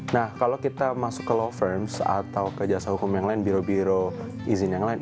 nah kalau kita masuk ke law firms atau ke jasa hukum yang lain biro biro izin yang lain